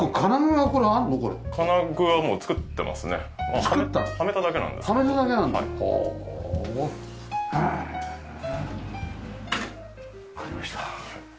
わかりました。